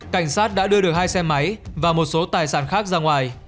cảnh sát đã đưa được hai xe máy và một số tài sản khác ra ngoài